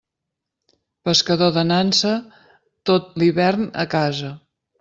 Pescador de nansa, tot l'hivern a casa.